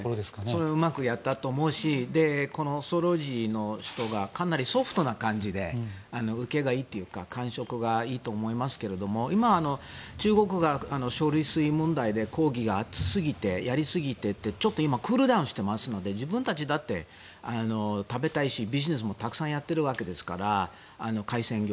その辺うまくやったと思うしこの総領事の人がかなりソフトな感じで受けがいいというか感触がいいと思いますけれども今は中国が処理水問題で抗議をやりすぎてって、ちょっと今クールダウンしていますので自分たちだって食べたいしビジネスもたくさんやってるわけですから海鮮業。